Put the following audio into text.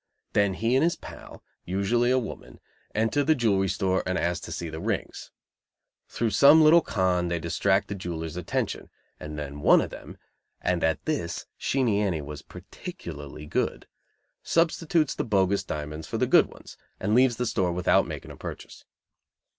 Then he and his pal, usually a woman, enter the jewelry store and ask to see the rings. Through some little "con" they distract the jeweler's attention, and then one of them (and at this Sheenie Annie was particularly good) substitutes the bogus diamonds for the good ones; and leaves the store without making a purchase.